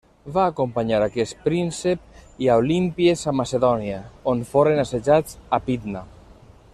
Va acompanyar a aquest príncep i a Olímpies a Macedònia on foren assetjats a Pidna.